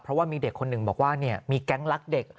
เพราะว่ามีเด็กคนหนึ่งบอกว่ามีแก๊งรักเด็ก